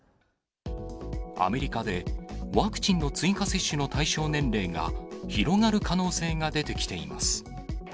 アメリカで、ワクチンの追加接種の対象年齢が広がる可能性が出てきています。